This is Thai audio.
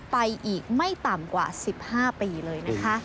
ไปอีกไม่ต่ำกว่า๑๕ปีเลยนะคะ